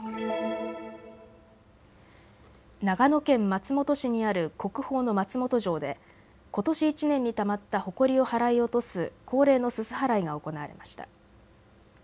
長野県松本市にある国宝の松本城でことし１年にたまったほこりを払い落とす恒例のすす払いが行われました。